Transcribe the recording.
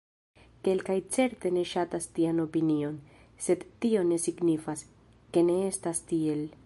Kelkaj certe ne ŝatas tian opinion, sed tio ne signifas, ke ne estas tiel.